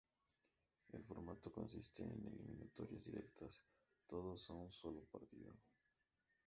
El formato consiste en eliminatorias directas, todos a un solo partido.